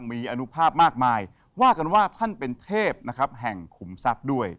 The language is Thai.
มีอนุภาพมากมายว่ากันว่าท่านเป็นเทพนะครับแห่งขุมทรัพย์ด้วย